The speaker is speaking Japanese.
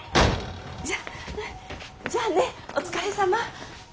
じゃあじゃあねお疲れさま。